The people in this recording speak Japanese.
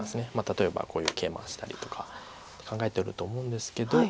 例えばこういうケイマしたりとか考えてると思うんですけど。